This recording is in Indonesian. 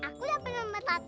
aku dapetin nomor seratus ribu